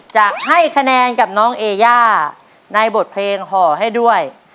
จะให้คะแนนกับน้องเอย่าในบทเพลงห่อให้ด้วย